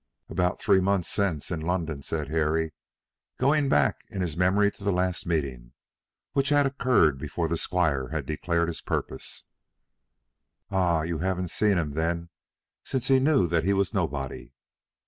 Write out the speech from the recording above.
"About three months since in London," said Harry, going back in his memory to the last meeting, which had occurred before the squire had declared his purpose. "Ah; you haven't seen him, then, since he knew that he was nobody?"